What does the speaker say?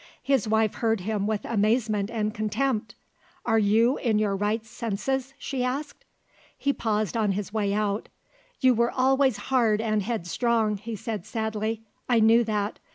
His wife heard him with amazement and contempt. "Are you in your right senses?" she asked. He paused on his way out. "You were always hard and headstrong," he said sadly; "I knew that.